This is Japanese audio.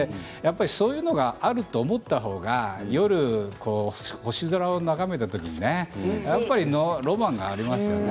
そういうのがあると思った方が夜、星空を眺めた時にねロマンがありますよね。